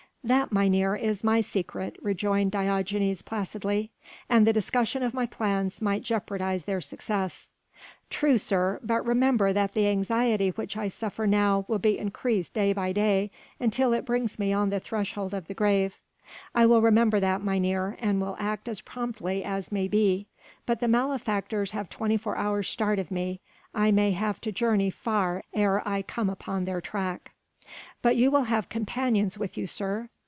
"That, mynheer, is my secret," rejoined Diogenes placidly, "and the discussion of my plans might jeopardise their success." "True, sir; but remember that the anxiety which I suffer now will be increased day by day, until it brings me on the threshold of the grave." "I will remember that, mynheer, and will act as promptly as may be; but the malefactors have twenty four hours start of me. I may have to journey far ere I come upon their track." "But you will have companions with you, sir?